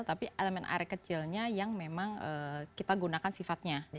tapi elemen air kecilnya yang memang kita gunakan sifatnya